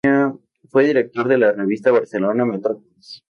Fue director de la revista Barcelona Metrópolis".